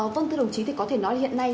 vâng thưa đồng chí thì có thể nói là hiện nay